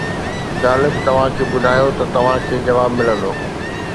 غالب توهان کي ٻڌايو ته توهان کي جواب ملندو